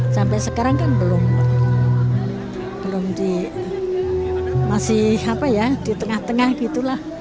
sampai sekarang kan belum di masih apa ya di tengah tengah gitu lah